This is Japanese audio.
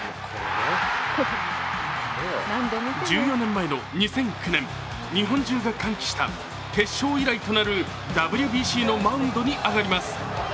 １４年前の２００９年日本中が歓喜した決勝以来となるＷＢＣのマウンドに上がります。